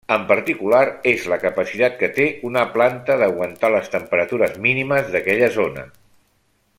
En particular és la capacitat que té una planta d'aguantar les temperatures mínimes d'aquella zona.